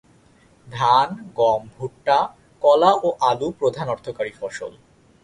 ধান, গম, ভুট্টা, কলা ও আলু প্রধান অর্থকরী ফসল।